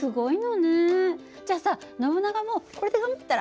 じゃあさノブナガもこれで頑張ったら？